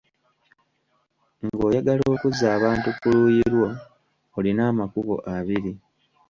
Ng'oyagala okuzza abantu ku luuyi lwo, olina amakubo abiri.